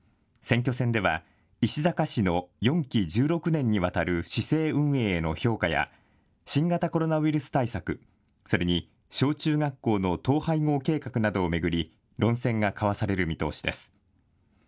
選挙戦では石阪氏の４期１６年にわたる市政運営への評価や、新型コロナウイルス対策、それに小中学校の統廃合計画などを巡り論戦が交わされる見通しです。